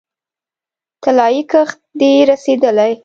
طلايي کښت دې رسیدلی